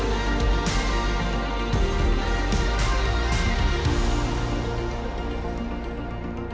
จริงแล้วประเทศไทยทำแท้งปลอดภัยได้ทุกอายุคัน